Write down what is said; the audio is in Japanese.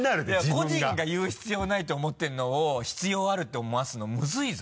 個人が言う必要ないって思ってるのを必要あるって思わすのムズいぞ。